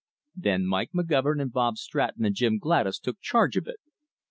Then Mike McGovern and Bob Stratton and Jim Gladys took charge of it.